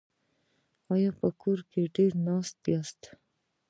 ایا په کار کې ډیر ناست یاست؟